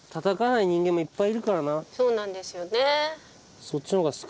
そうなんですよね。